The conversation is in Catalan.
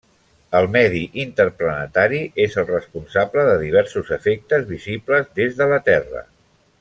El medi interplanetari és el responsable de diversos efectes visibles des de la Terra.